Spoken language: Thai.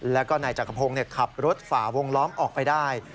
แล้วก็นายจักรพงศ์ขับรถฝ่าวงล้อมออกไปได้